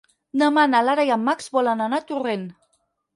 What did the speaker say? Demà na Lara i en Max volen anar a Torrent.